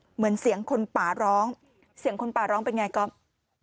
เหมือนเสียงคนป่าร้องเสียงคนป่าร้องเป็นไงก๊อฟ